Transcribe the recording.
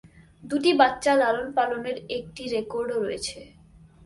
দুটি বাচ্চা লালনপালনের একটি রেকর্ডও রয়েছে।